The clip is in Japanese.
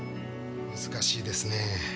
難しいですねぇ。